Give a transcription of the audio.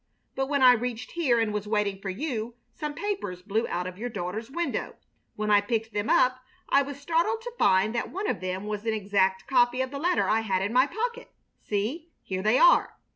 But when I reached here and was waiting for you some papers blew out of your daughter's window. When I picked them up I was startled to find that one of them was an exact copy of the letter I had in my pocket. See! Here they are!